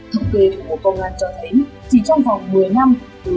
thống kê của bộ công an cho thấy chỉ trong vòng một mươi năm